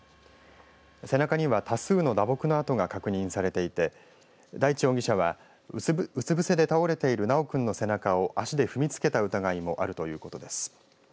背中には多数の打撲の痕が確認されていて大地容疑者はうつ伏せで倒れている修君の背中を足で踏みつけた疑いもあるということです。